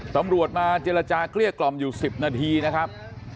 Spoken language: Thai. ตำรวจมาเจรจาเกลี้ยกล่อมอยู่๑๐นาทีนะครับ